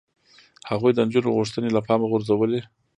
هغوی د نجونو غوښتنې له پامه غورځولې.